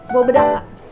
bawa bedak lah